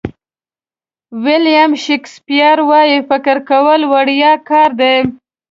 ویلیام شکسپیر وایي فکر کول وړیا کار دی.